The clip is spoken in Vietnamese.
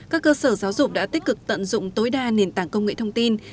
các cơ sở giáo dục đã tích cực tận dụng tối đa nền tảng công nghệ thông tin